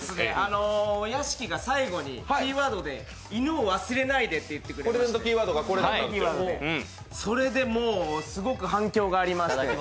屋敷が最後にキーワードでいぬを忘れないでと言ってくれたのでそれで、もうすごく反響がありました。